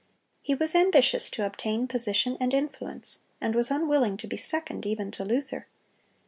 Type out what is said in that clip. (276) He was ambitious to obtain position and influence, and was unwilling to be second, even to Luther.